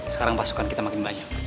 sekarang pasukan kita makin banyak